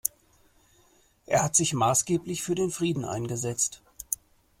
Er hat sich maßgeblich für den Frieden eingesetzt.